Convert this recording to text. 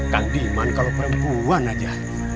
kan diman kalau perempuan saja